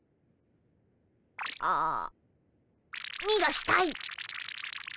ああみがきたい。